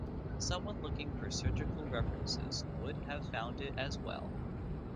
Someone looking for surgical references would have found it as well.